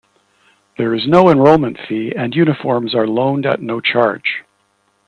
There is no enrollment fee and uniforms are loaned at no charge.